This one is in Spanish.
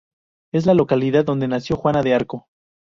Es la localidad donde nació Juana de Arco.